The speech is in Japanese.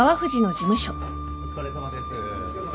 お疲れさまです。